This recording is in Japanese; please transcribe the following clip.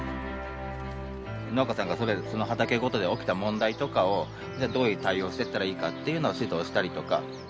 農家さんがその畑ごとで起きた問題とかをじゃあどういう対応をしていったらいいかっていうのを指導したりとか。